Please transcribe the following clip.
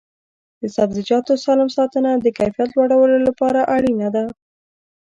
د سبزیجاتو سالم ساتنه د کیفیت لوړولو لپاره اړینه ده.